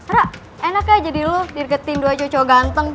ra enak ya jadi lu dirgetin dua cowok cowok ganteng